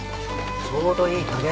ちょうどいい加減。